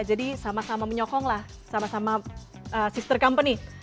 jadi sama sama menyokonglah sama sama sister company